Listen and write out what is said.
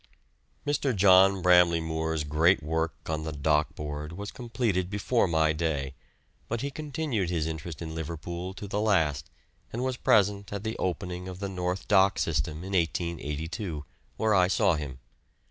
Mr. John Bramley Moore's great work on the Dock Board was completed before my day, but he continued his interest in Liverpool to the last, and was present at the opening of the North Dock system in 1882, where I saw him.